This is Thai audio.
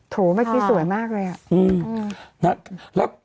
โถ่เหมือนกี่สวยมากเลย